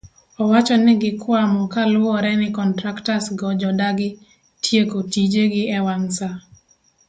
Owacho ni gikwamo kaluwore ni kontraktas go jodagi tieko tijego ewang' saa